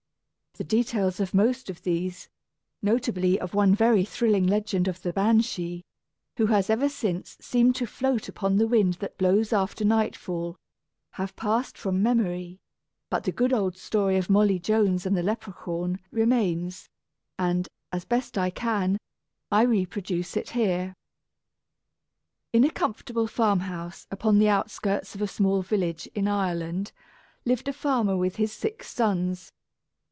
The details of most of these notably of one very thrilling legend of the Banshee, who has ever since seemed to float upon the wind that blows after nightfall have passed from memory; but the good old story of Molly Jones and the Leperhaun remains, and, as best I can, I reproduce it here. In a comfortable farm house upon the outskirts of a small village in Ireland, lived a farmer with his six sons.